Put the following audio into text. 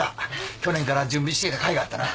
去年から準備していたかいがあったな。